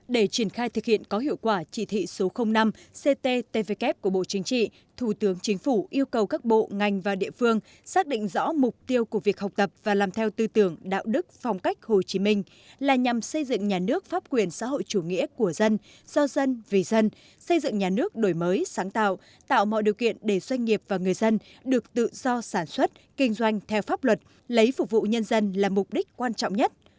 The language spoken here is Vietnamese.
để triển khai thực hiện có hiệu quả chỉ thị số năm cttvk của bộ chính trị thủ tướng chính phủ yêu cầu các bộ ngành và địa phương xác định rõ mục tiêu của việc học tập và làm theo tư tưởng đạo đức phong cách hồ chí minh là nhằm xây dựng nhà nước pháp quyền xã hội chủ nghĩa của dân do dân vì dân xây dựng nhà nước đổi mới sáng tạo tạo mọi điều kiện để doanh nghiệp và người dân được tự do sản xuất kinh doanh theo pháp luật lấy phục vụ nhân dân là mục đích quan trọng nhất